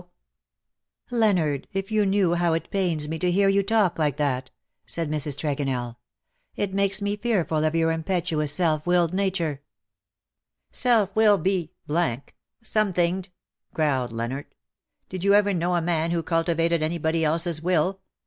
92 ^^BUT HERE IS ONE WHO " Leonard^ if you knew how it pains me to hear you talk like that/^ said Mrs. TregonelL "It makes me fearful of your impetuous^ self willed nature.'^ " Self will be ! somethinged V growled Leonard. "Did you ever know a man who culti vated anybody else^s will?